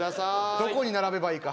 どこに並べばいいか。